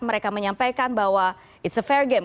mereka menyampaikan bahwa it's a fair game